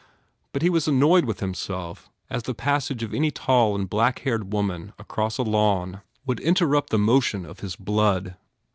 But he was annoyed with himself as the passage of any tall and blackhaired woman across a lawn would interrupt the motion of his blood.